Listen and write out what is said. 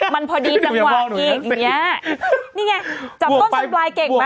มันพอดีจังหวะอีกนี่ไงจับต้นชนปลายเก่งไหม